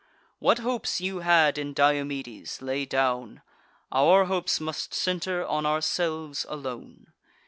What hopes you had in Diomedes, lay down: Our hopes must centre on ourselves alone.